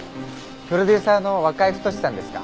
プロデューサーの若井太志さんですか？